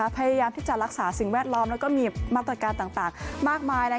พยายามที่จะรักษาสิ่งแวดล้อมแล้วก็มีมาตรการต่างมากมาย